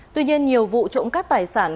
tuy nhiên nhiều vụ trộm các tài sản